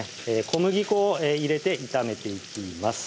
小麦粉を入れて炒めていきます